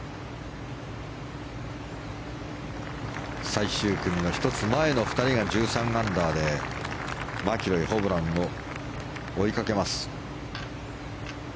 最終組の１つ前の２人が１３アンダーでマキロイ、ホブランを追いかけます。